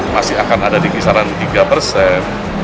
masih akan ada di kisaran tiga tiga miliar dolar